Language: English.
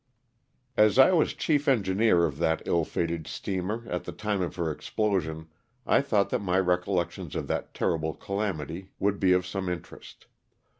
A S I was chief engineer of that ill fated steamer at ^~^ the time of her explosion I thought that my recol lections of that terrible calamity would be of some interest.